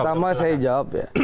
pertama saya jawab ya